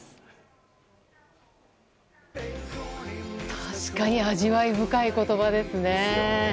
確かに味わい深い言葉ですね。